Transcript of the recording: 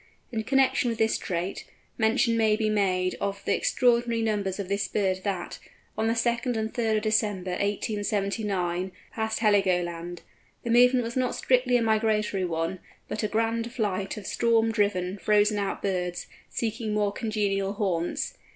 In connection with this trait, mention may be made of the extraordinary numbers of this bird that, on the 2nd and 3rd of December 1879, passed Heligoland. The movement was not strictly a migratory one, but a grand flight of storm driven, frozen out birds, seeking more congenial haunts.